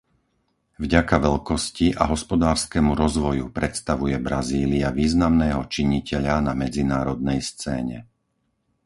Vďaka veľkosti a hospodárskemu rozvoju predstavuje Brazília významného činiteľa na medzinárodnej scéne.